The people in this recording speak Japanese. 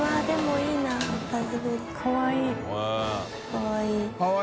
かわいい。